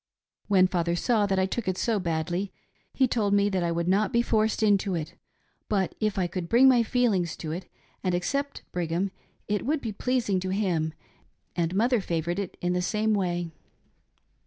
When father saw that I took it so badly he told me that I would not be forced into it, but if I could bring my feelings to it and accept Brigham it would be pleasing to him, and mother favored it in the same way.